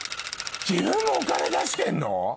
自分もお金出してんの？